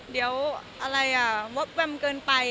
เดี๋ยวอะไรอ่ะแวมเกินไป